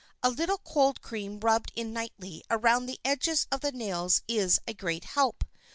A little cold cream rubbed in nightly around the edges of the nails is a great help.